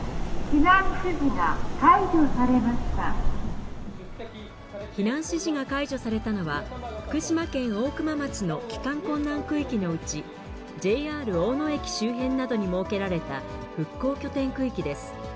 避難指示が解除されたのは、福島県大熊町の帰還困難区域のうちＪＲ大野駅周辺などに設けられた復興拠点区域です。